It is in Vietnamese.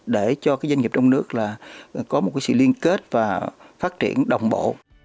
để cho doanh nghiệp trong nước là có một sự liên kết và phát triển đồng bộ